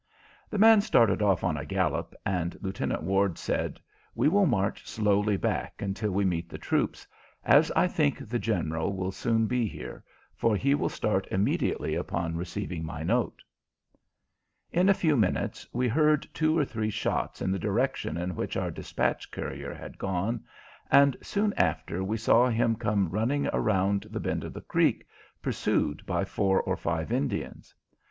The man started off on a gallop, and Lieutenant Ward said, "We will march slowly back until we meet the troops, as I think the General will soon be here, for he will start immediately upon receiving my note." In a few minutes we heard two or three shots in the direction in which our dispatch courier had gone, and soon after we saw him come running around the bend of the creek, pursued by four or five Indians.